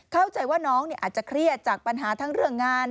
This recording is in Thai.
เข้าใจว่าน้องอาจจะเครียดจากปัญหาทั้งเรื่องงาน